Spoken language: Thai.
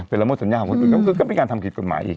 ไปละเมิดสัญญาณของคนอื่นก็ไม่การทำผิดกฎหมายอีก